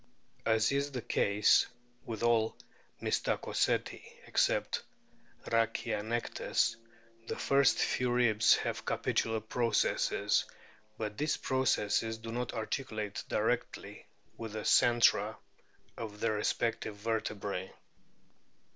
As is the case with all Mystacoceti, except Rhachianectes, the first few ribs have capitular processes ; but these processes do not articulate directly with the centra of their respective vertebrae.